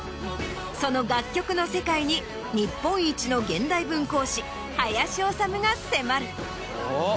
その楽曲の世界に日本一の現代文講師林修が迫る。